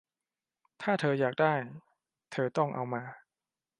ถ้าเธออยากได้ เธอต้องเอามา